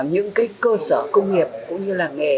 những cái cơ sở công nghiệp cũng như làng nghề